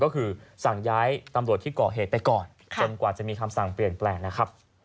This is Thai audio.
ก็คือสั่งย้ายตำรวจที่ก่อเหตุไปก่อนจนกว่าจะมีคำสั่งเปลี่ยนแปลงนะครับ